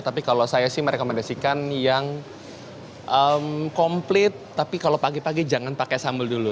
tapi kalau saya sih merekomendasikan yang komplit tapi kalau pagi pagi jangan pakai sambal dulu